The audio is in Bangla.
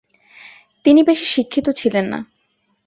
তিনি বেশি শিক্ষিত ছিলেন না।